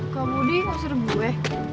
kak budi ngusir gue